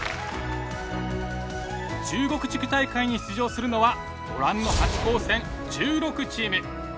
中国地区大会に出場するのはご覧の８高専１６チーム。